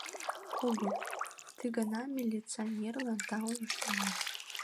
Огыл, ты гана милиционерлан таум ыштыман.